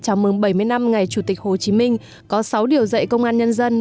chào mừng bảy mươi năm ngày chủ tịch hồ chí minh có sáu điều dạy công an nhân dân